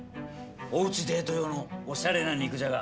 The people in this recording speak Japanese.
おうちデート用のおしゃれな肉じゃが。